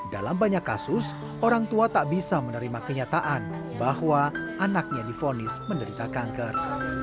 dalam banyak kasus orang tua tak bisa menerima kenyataan bahwa anaknya difonis menderita kanker